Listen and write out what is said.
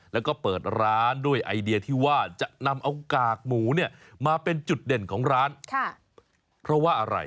และก็เปิดร้านด้วยไอเดียวที่ว่าจะนำกากหมูมาเป็นจุดเด่นของร้าน